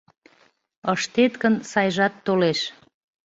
Ыштет гын, сайжат толеш.